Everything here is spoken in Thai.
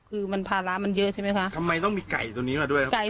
คือมันภาระมันเยอะใช่ไหมคะทำไมต้องมีไก่ตัวนี้มาด้วยครับ